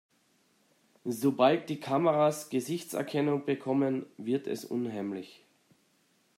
Sobald die Kameras Gesichtserkennung bekommen, wird es unheimlich.